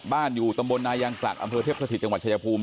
อยู่ตำบลนายางกลักอำเภอเทพสถิตจังหวัดชายภูมิ